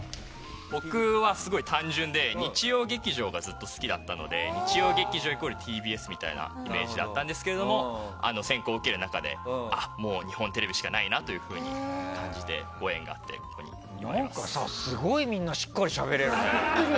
僕はすごい単純で「日曜劇場」がずっと好きだったので「日曜劇場」イコールＴＢＳっていうイメージだったんですけど選考を受ける中で日本テレビしかないなという感じでみんなすごいしっかりしゃべれるね。